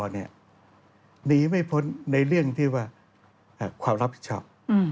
หนีไม่พ้นในเรื่องที่ว่าความรับผิดชอบ